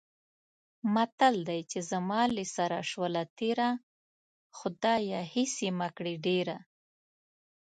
متل دی: چې زما له سره شوله تېره، خدایه هېڅ یې مه کړې ډېره.